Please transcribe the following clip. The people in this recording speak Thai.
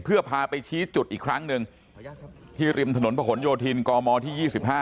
เพื่อพาไปชี้จุดอีกครั้งหนึ่งที่ริมถนนประหลโยธินกมที่๒๕